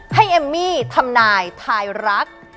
เอมมี่ทำนายทายรัก